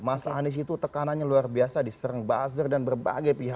mas anies itu tekanannya luar biasa diserang buzzer dan berbagai pihak